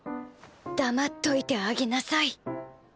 黙っといてあげなさい。